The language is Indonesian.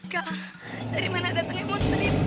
kak dari mana datangnya monster itu